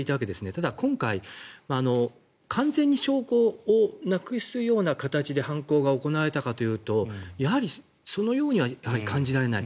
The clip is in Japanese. ただ、今回完全に証拠をなくすような形で犯行が行われたかというとやはりそのようには感じられない。